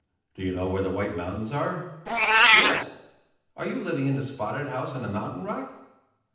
"Do you know where the White Mountains are?" "Yes! Are you living in the spotted house on the mountain rock?"